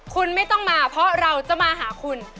คุณไม่ต้องมาเพราะเราจะมาหาคุณ